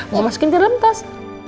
mau masukin di dalam tas